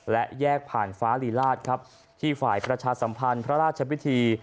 และแยกผ่านฟ้าลีลาศครับที่ฝ่ายประชาสัมพันธ์พระราชพิธี